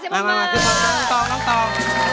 มาขึ้นบนน้องตอบ